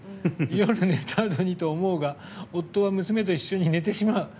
夜寝たあとにと思うが夫は、娘と一緒に寝てしまう。